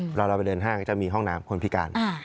เวลาเราไปเดินห้างก็จะมีห้องน้ำคนพิการ